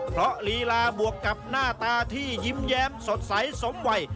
เพราะลีลาบวกกับหน้าตาที่ยิ้มแย้มสดใสสมวัย